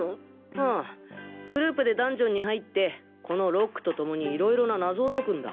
ああグループでダンジョンに入ってこのロックと共に色々な謎を解くんだ。